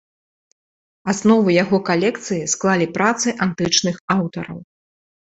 Аснову яго калекцыі склалі працы антычных аўтараў.